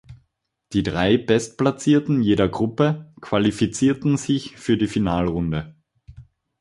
Die drei Bestplatzierten jeder Gruppe qualifizierten sich für die Finalrunde.